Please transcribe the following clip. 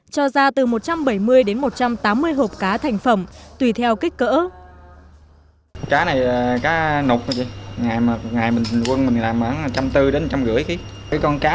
cho ra từ một trăm bảy mươi đến một trăm tám mươi hộp cá thành phẩm tùy theo kích cỡ